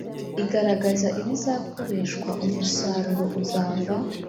Igaragaza ibizakoreshwa umusaruro uzava